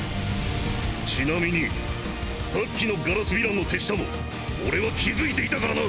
ちなみにさっきの硝子ヴィランの手下も俺は気付いていたからな。